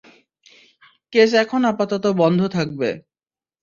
Case এখন আপাতত বন্ধ থাকবে।